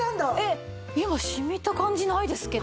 今しみた感じないですけどね。